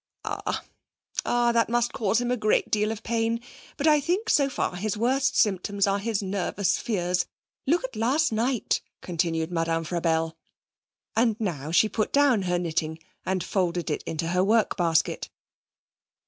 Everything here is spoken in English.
'Ah! ah! that must cause him a great deal of pain, but I think so far his worst symptoms are his nervous fears. Look at last night,' continued Madame Frabelle, and now she put down her knitting and folded it into her work basket.'